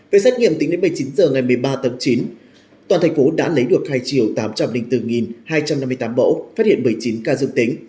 về xét nghiệm tính đến một mươi chín h ngày một mươi ba tháng chín toàn thành phố đã lấy được hai triệu tám trăm linh bốn hai trăm năm mươi tám mẫu phát hiện một mươi chín ca dương tính